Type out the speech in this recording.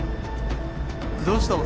どうした？